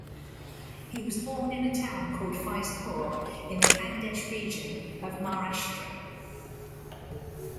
He was born in a town called Faizpur in the Khandesh region of Maharashtra.